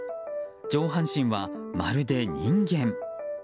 上半身は、まるで人間。